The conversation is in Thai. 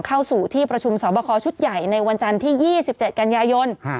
เข้าสู่ที่ประชุมสอบคอชุดใหญ่ในวันจันทร์ที่๒๗กันยายน